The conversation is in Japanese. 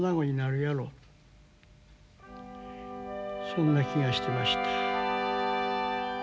そんな気がしてました。